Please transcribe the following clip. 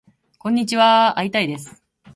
こんにちはーー会いたいです